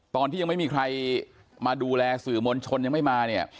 ตอนที่ยังไม่มีใครมาดูแลสื่อมวลชนยังไม่มาเนี่ย